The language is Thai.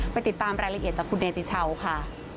ไปติดตามรายละเอียดจากคุณเดติชาวค่ะ